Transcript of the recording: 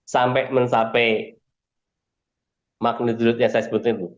sampai mencapai magnitudo yang saya sebutkan itu